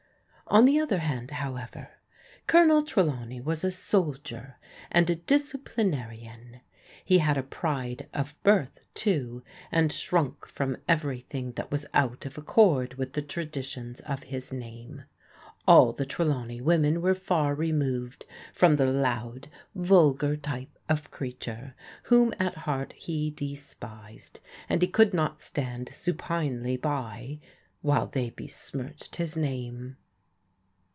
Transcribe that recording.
On the other hand, however, O)lonel Trelawney was a soldier and a disciplinarian. He had a pride of birth, too, and shrunk from everjrthing that was out of accord with the traditions of his name. All the Trelawney women were far removed from the loud, vulgar type of creature whom at heart he despised, and he could not stand su pinely by, while they besmirched his name.